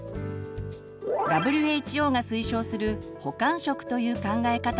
ＷＨＯが推奨する「補完食」という考え方があります。